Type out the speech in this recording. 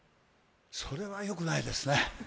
それはよくないですね。